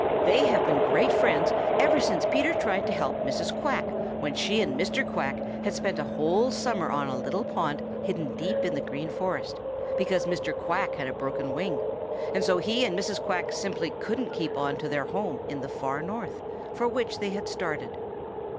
They have been great friends ever since Peter tried to help Mrs. Quack when she and Mr. Quack had spent a whole summer on a little pond hidden deep in the Green Forest because Mr. Quack had a broken wing and so he and Mrs. Quack simply couldn't keep on to their home in the Far North for which they had started.